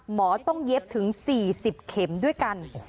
หมอต้องเย็บถึง๔๐เข็มด้วยกัน